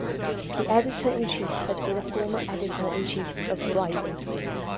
The editor-in-chief had been a former editor-in-chief of "Ribon".